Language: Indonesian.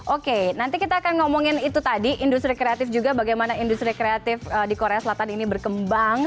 oke nanti kita akan ngomongin itu tadi industri kreatif juga bagaimana industri kreatif di korea selatan ini berkembang